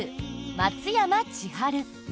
松山千春。